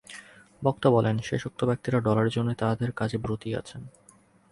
বক্তা বলেন, শেষোক্ত ব্যক্তিরা ডলারের জন্যই তাঁহাদের কাজে ব্রতী আছেন।